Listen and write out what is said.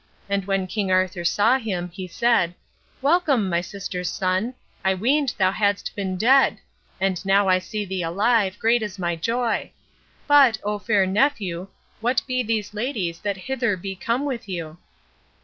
And when King Arthur saw him, he said, "Welcome, my sister's son; I weened thou hadst been dead; and now I see thee alive great is my joy. But, O fair nephew, what be these ladies that hither be come with you?"